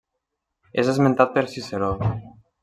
És esmentat per Ciceró.